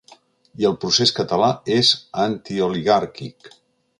I el procés català és antioligàrquic.